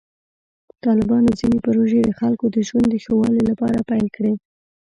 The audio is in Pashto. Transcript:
طالبانو ځینې پروژې د خلکو د ژوند د ښه والي لپاره پیل کړې.